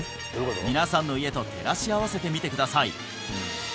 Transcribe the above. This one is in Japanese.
皆さんの家と照らし合わせてみてください